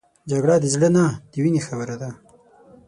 جګړه د زړه نه د وینې خبره ده